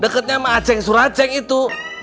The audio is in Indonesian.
dekatnya sama aceng suraceng itu